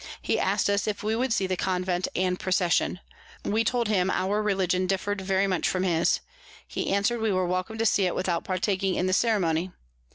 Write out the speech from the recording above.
He ask'd us if we would see the Convent and Procession: we told him our Religion differ'd very much from his. He answer'd we were welcome to see it, without partaking in the Ceremony.